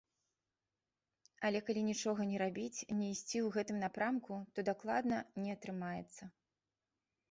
Але калі нічога не рабіць, не ісці ў гэтым напрамку, то дакладна не атрымаецца.